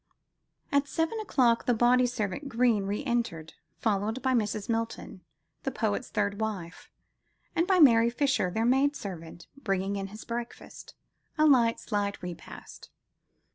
At seven o'clock the body servant Greene re entered, followed by Mrs. Milton, the poet's third wife, and by Mary Fisher, their maid servant, bringing in his breakfast, a light, slight repast.